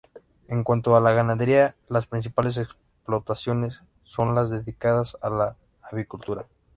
En cuanto a la ganadería, las principales explotaciones son las dedicadas a la avicultura.